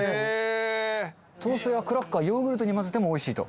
トーストやクラッカーヨーグルトに混ぜてもおいしいと。